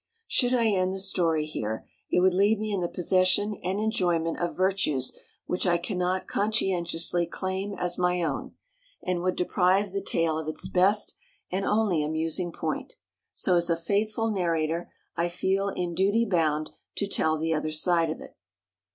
Should I end the story here, it would leave me in the possession and enjoyment of virtues which I cannot conscientiously claim as my own, and would deprive the tale of its best and only amusing point; so as a faithful narrator, I feel in duty bound to tell the other side of it.